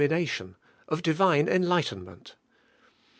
iatio7t^ of Divine enlightenment.